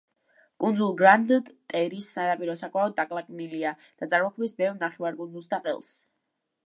კუნძულ გრანდ-ტერის სანაპირო საკმაოდ დაკლაკნილია და წარმოქმნის ბევრ ნახევარკუნძულს და ყელს.